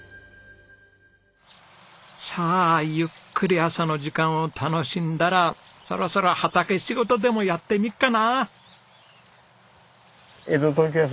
さあゆっくり朝の時間を楽しんだらそろそろ畑仕事でもやってみっかな！